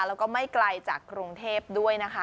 แล้วก็ไม่ไกลจากกรุงเทพด้วยนะคะ